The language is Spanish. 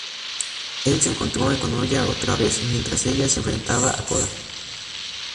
Él se encontró con ella otra vez, mientras ella se enfrentaba a Coda.